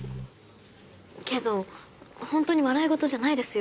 けどホントに笑い事じゃないですよ。